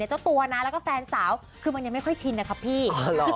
เจ้าตัวและแฟนสาวคือคือไม่ค่อยชินนะครับพี่